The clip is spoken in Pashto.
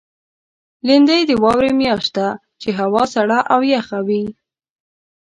لېندۍ د واورې میاشت ده، چې هوا سړه او یخه وي.